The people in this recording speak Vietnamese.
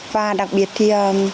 và đặc biệt thì